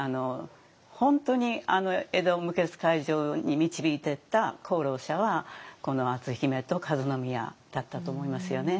本当に江戸無血開城に導いていった功労者はこの篤姫と和宮だったと思いますよね。